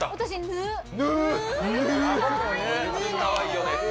「ぬ」かわいいよね。